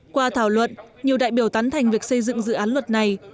qua thảo luận nhiều đại biểu tán thành việc xây dựng dự án luật này